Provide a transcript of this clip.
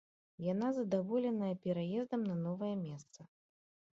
Яна задаволеная пераездам на новае месца.